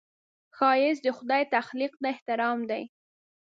ښایست د خدای تخلیق ته احترام دی